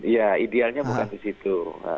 ya idealnya bukan ke situ